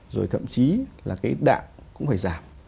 rồi thậm chí là cái đạm cũng phải giảm